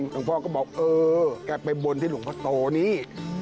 หลวงพ่อก็บอกเออแกไปบนที่หลวงพ่อโตนี่